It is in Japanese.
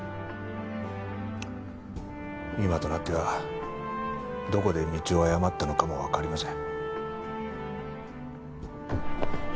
今となってはどこで道を誤ったのかもわかりません。